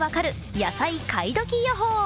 “野菜買いドキ予報”」。